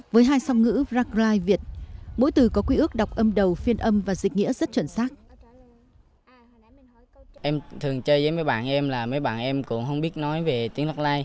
với hai song ngữ rackli mỗi từ có quy ước đọc âm đầu phiên âm và dịch nghĩa rất chuẩn xác